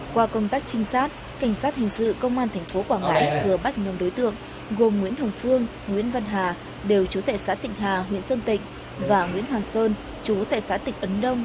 qua công tác trinh sát cảnh sát hình sự công an tp quảng ngãi vừa bắt nhóm đối tượng gồm nguyễn hồng phương nguyễn văn hà đều chú tệ xã tịnh hà huyện sơn tịnh và nguyễn hoàng sơn chú tại xã tịnh ấn đông